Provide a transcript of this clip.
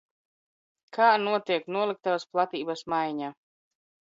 Kā notiek noliktavas platības maiņa?